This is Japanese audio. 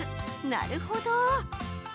なるほど。